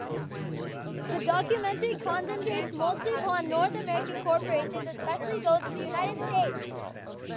The documentary concentrates mostly upon North American corporations, especially those in the United States.